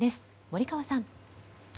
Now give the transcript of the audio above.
森川さん。